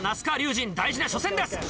心大事な初戦です。